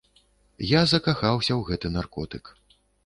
Я закахаўся ў гэты наркотык.